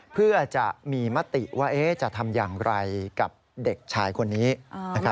เพื่อจะมีมติว่าจะทำอย่างไรกับเด็กชายคนนี้